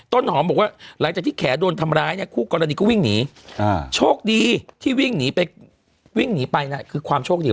ต้นหอมบอกว่าหลังจากที่แขโดนทำร้ายเนี่ยคู่กรณีก็วิ่งหนีโชคดีที่วิ่งหนีไปวิ่งหนีไปนะคือความโชคดี